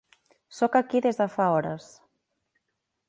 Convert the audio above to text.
Soc aquí des de fa hores.